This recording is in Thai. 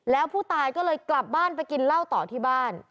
แล้วผู้ตายก็เลยกลับบ้านไปกินเหล้าต่อที่บ้าน